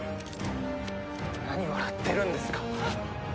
何笑ってるんですか？